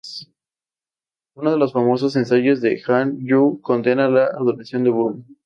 Uno de los más famosos ensayos de Han Yu condena la adoración de Buda.